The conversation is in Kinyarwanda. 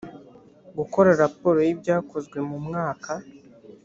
gukora raporo y ibyakozwe mu mwaka